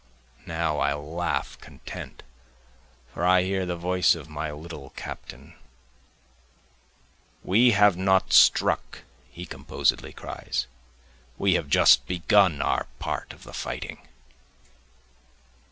Now I laugh content, for I hear the voice of my little captain, We have not struck, he composedly cries, we have just begun our part of the fighting.